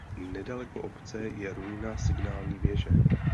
Nedaleko obce je ruina signální věže.